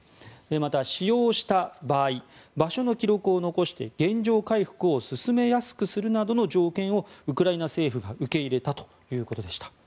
また、使用した場合場所の記録を残して原状回復を進めやすくするなどの条件をウクライナ政府が受け入れたということでした。